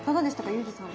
ユージさん。